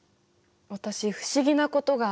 私不思議なことがある。